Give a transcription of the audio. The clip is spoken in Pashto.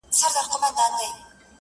چي پيشو مخي ته راغله برابره!.